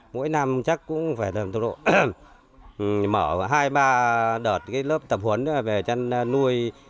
mỗi năm chắc cũng phải mở hai ba đợt lớp tập huấn về chăn nuôi